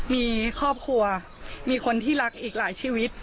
มีครอบครัวมีคนที่รักอีกหลายชีวิต